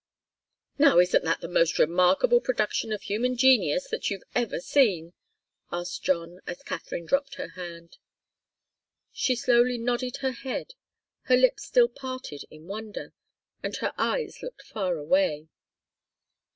"Now isn't that the most remarkable production of human genius that you've ever seen?" asked John, as Katharine dropped her hand. She slowly nodded her head, her lips still parted in wonder, and her eyes looked far away.